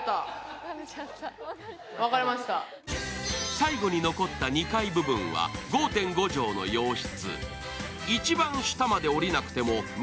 最後に残った２階部分は５．５畳の洋室。